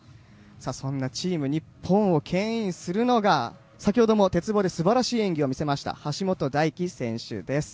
そんなチーム日本をけん引するのが先ほども鉄棒で素晴らしい演技を見せました橋本大輝選手です。